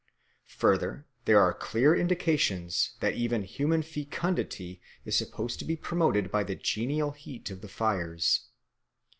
Further, there are clear indications that even human fecundity is supposed to be promoted by the genial heat of the fires.